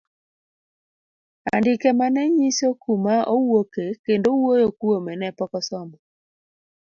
Andike mane ng'iso kuma owuoke kendo wuoyo kuome ne pok osomo.